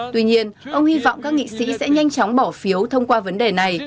tuy nhiên ông hy vọng các nghị sĩ sẽ nhanh chóng bỏ phiếu thông qua vấn đề này